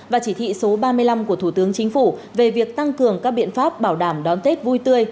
và chỉ thị số ba mươi năm của thủ tướng chính phủ về việc tăng cường các biện pháp bảo đảm đón tết vui tươi